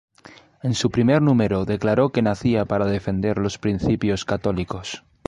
En su primer número declaró que nacía para defender los principios católicos.